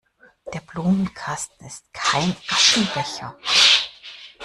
Der Blumenkasten ist kein Aschenbecher!